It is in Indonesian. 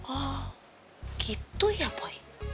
oh gitu ya boy